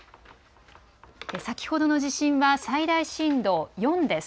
先ほどの地震は最大震度４です。